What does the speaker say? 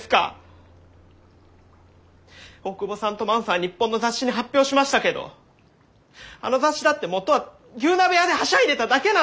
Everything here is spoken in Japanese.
大窪さんと万さんは日本の雑誌に発表しましたけどあの雑誌だって元は牛鍋屋ではしゃいでただけなんですよ！